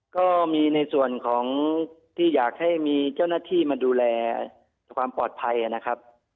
ก็มีในส่วนของที่อยากให้มีเจ้าหน้าที่มาดูแลความปลอดภัยนะครับ